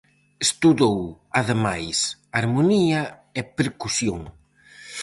Estudou ademais harmonía e percusión.